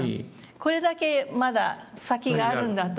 「これだけまだ先があるんだ」と。